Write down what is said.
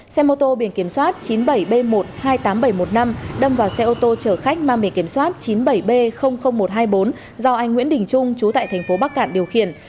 xe mô tô biển kiểm soát chín mươi bảy b một trăm hai mươi tám nghìn bảy trăm một mươi năm đâm vào xe ô tô chở khách mang bề kiểm soát chín mươi bảy b một trăm hai mươi bốn do anh nguyễn đình trung chú tại thành phố bắc cạn điều khiển